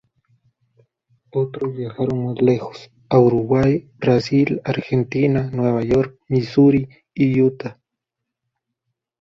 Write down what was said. Otros viajaron más lejos, a Uruguay, Brasil, Argentina, Nueva York, Misuri y Utah.